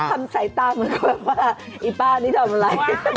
ทำใส่ตาหมดว่าพี่ป้านี่ทำอะไร